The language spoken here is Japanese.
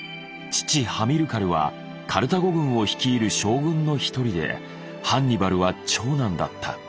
父ハミルカルはカルタゴ軍を率いる将軍の一人でハンニバルは長男だった。